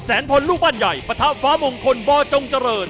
แสนพลลูกบ้านใหญ่พระท่าฟ้ามงคลบ่าจงเจริญ